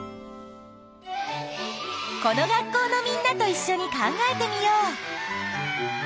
この学校のみんなといっしょに考えてみよう！